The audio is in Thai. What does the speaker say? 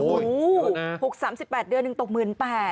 โอ้โห๖๓๘เดือนหนึ่งตก๑๘๐๐